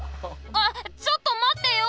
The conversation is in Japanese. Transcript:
あっちょっとまってよ！